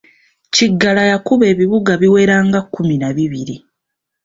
Kiggala yakuba ebibuga biwera nga kkumi na bibiri.